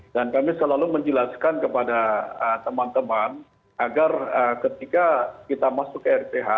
dan kami selalu menjelaskan kepada teman teman agar ketika kita masuk ke rth